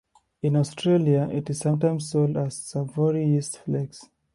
In Australia, it is sometimes sold as "savoury yeast flakes".